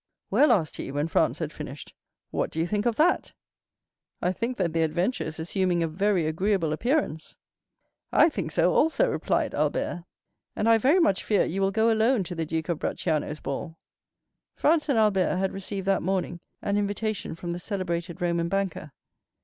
"Well," asked he, when Franz had finished, "what do you think of that?" "I think that the adventure is assuming a very agreeable appearance." "I think so, also," replied Albert; "and I very much fear you will go alone to the Duke of Bracciano's ball." Franz and Albert had received that morning an invitation from the celebrated Roman banker.